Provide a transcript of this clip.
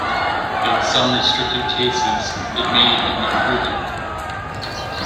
In some restricted cases, it may even be proven.